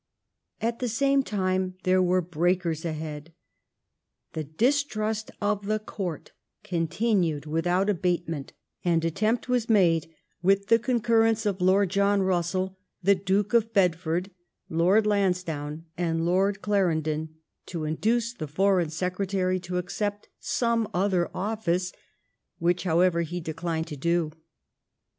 At the same time there were breakers ahead. The distrust of the Court continued without abatement, and attempt was made, with the concurrence of Lord John Bussell, the Duke of Bedford, Lord Lansdowne, and Lord Clarendon, to induce the Foreign Secretary to accept some other office, which, however, he declined to do.